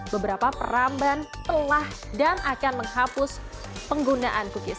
beberapa peramban telah dan akan menghapus penggunaan cookies